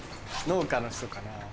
農家の人かな。